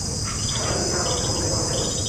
তারা তাদের পিতা ও পূর্বপুরুষদের ধর্ম ত্যাগ করেছে।